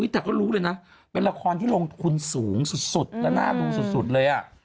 แต่ก็รู้เลยนะเป็นละครที่ลงทุนสูงสุดและน่าดูสุดเลย